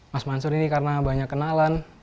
mas mansur ini karena banyak kenalan